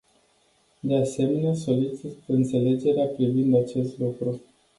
De asemenea, solicit înțelegere privind acest lucru.